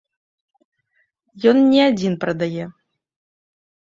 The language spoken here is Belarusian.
Ён не адзін прадае.